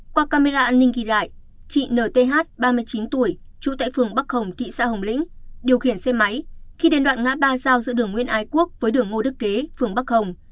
qua camera an ninh ghi lại chị nthth ba mươi chín tuổi trú tại phường bắc hồng thị xã hồng lĩnh điều khiển xe máy khi đến đoạn ngã ba giao giữa đường nguyên ái quốc với đường ngô đức kế phường bắc hồng